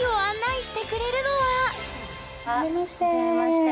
はじめまして。